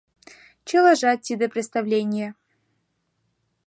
Чылажат тиде представленье!..